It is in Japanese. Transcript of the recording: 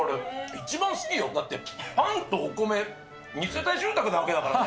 一番好きよ、だってパンとお米二世帯住宅だからね。